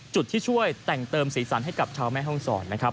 จุดที่ช่วยแต่งเติมสีสันให้กับชาวแม่ห้องศรนะครับ